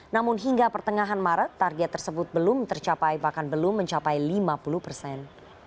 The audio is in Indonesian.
namun hingga pertengahan maret target tersebut belum tercapai bahkan belum mencapai lima puluh persen